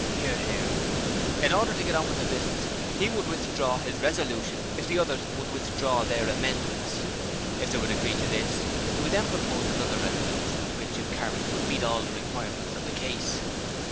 (Hear, hear.) In order to get on with the business, he would withdraw his resolution if the others would withdraw their amendments. If they would agree to do this, he would then propose another resolution which if carried would meet all the requirements of the case.